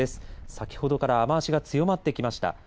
先ほどから雨足が強まってきました。